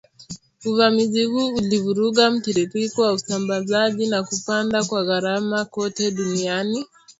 Uvamizi huu ulivuruga mtiririko wa usambazaji na kupanda kwa gharama kote duniani